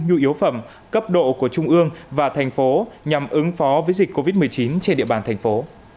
nhu yếu phẩm cấp độ của trung ương và thành phố nhằm ứng phó với dịch covid một mươi chín trên địa bàn thành phố